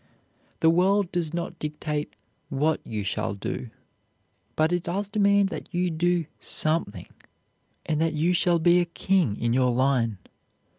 The world does not dictate what you shall do, but it does demand that you do something, and that you shall be a king in your line.